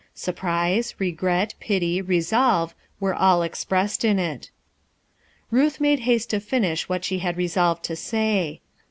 Surprise, regret, pity, resolve, were all expressed in it. Ruth made haste to finish what she had re solved to say.